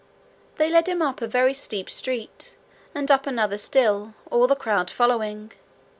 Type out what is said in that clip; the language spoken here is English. They led him up a very steep street, and up another still, all the crowd following.